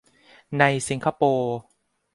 ในสิงคโปร์